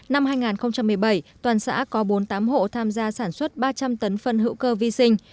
năm hai nghìn một mươi bảy toàn xã có bốn mươi tám hộ tham gia sản xuất ba trăm linh tấn phân hữu cơ vi sinh